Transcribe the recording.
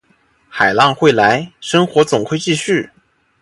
海浪会来，生活总会继续